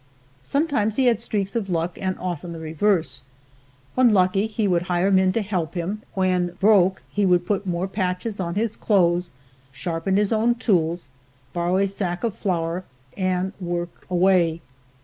Sometimes he had streaks of luck and often the reverse. When lucky he would hire men to help him, when "broke" he would put more patches on his clothes, sharpen his own tools, borrow a sack of flour and work away.